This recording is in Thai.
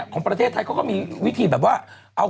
คุณหมอโดนกระช่าคุณหมอโดนกระช่า